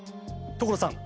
所さん！